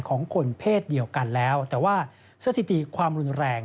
ของคนเพศเดียวกันแล้วแต่ว่าสถิติความรุนแรง